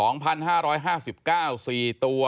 ๒๕๕๙๔ตัว